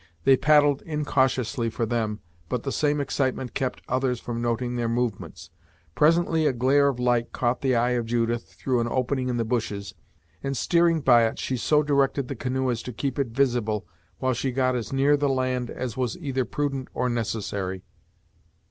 They paddled incautiously for them, but the same excitement kept others from noting their movements. Presently a glare of light caught the eye of Judith through an opening in the bushes, and steering by it, she so directed the canoe as to keep it visible, while she got as near the land as was either prudent or necessary.